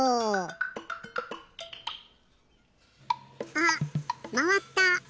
あっまわった！